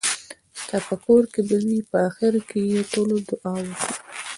ستاپه کور کې به وي. په اخېر کې ټولو دعا وکړه .